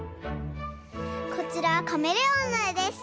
こちらはカメレオンのえです。